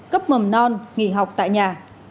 cấp mầm non nghỉ học tại nhà